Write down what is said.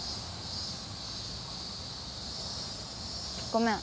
ごめん。